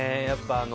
やっぱり。